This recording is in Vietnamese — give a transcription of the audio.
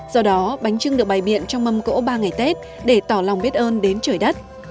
do đó bánh trưng được bày biện trong mâm cỗ ba ngày tết để tỏ lòng biết ơn đến trời đất